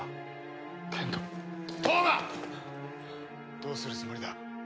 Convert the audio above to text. どうするつもりだ。